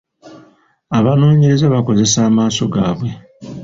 Abanoonyereza bakozesa amaaso gaabwe.